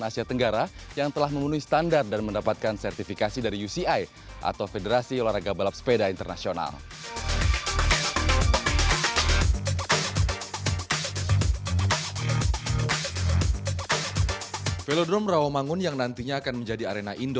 sampai ketemu lagi